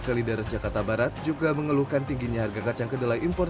kalideres jakarta barat juga mengeluhkan tingginya harga kacang kedelai impor